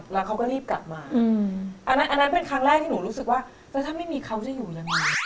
แล้วเขาก็รีบกลับมาอันนั้นเป็นครั้งแรกที่หนูรู้สึกว่าแล้วถ้าไม่มีเขาจะอยู่ยังไง